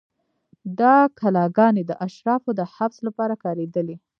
دا کلاګانې د اشرافو د حبس لپاره کارېدلې.